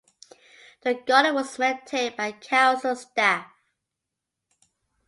The garden was maintained by council staff.